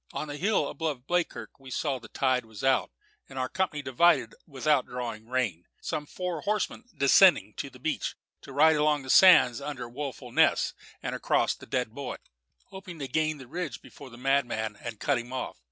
On the hill above Bleakirk we saw that the tide was out, and our company divided without drawing rein, some four horsemen descending to the beach, to ride along the sands out under Woeful Ness, and across the Dead Boy, hoping to gain the ridge before the madman and cut him off.